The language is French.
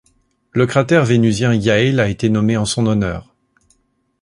Le cratère vénusien Yale a été nommé en son honneur.